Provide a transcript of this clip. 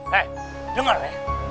hei denger ya